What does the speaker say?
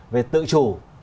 về tự chủ